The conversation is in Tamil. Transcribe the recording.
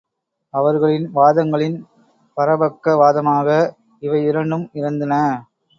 அவர்களின் வாதங்களின் பரபக்க வாதமாக இவை இரண்டும் இருந்தன.